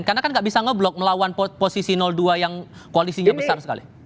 karena kan gak bisa ngeblok melawan posisi dua yang koalisinya besar sekali